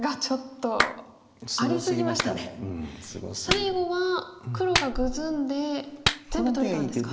最後は黒がグズんで全部取れたんですか。